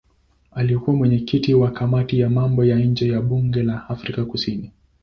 Alikuwa mwenyekiti wa kamati ya mambo ya nje ya bunge la Afrika Kusini.